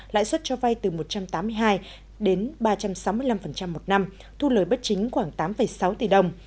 lãi suất cho vay từ một trăm tám mươi hai đến ba trăm sáu mươi năm một năm thu lời bất chính khoảng tám sáu tỷ đồng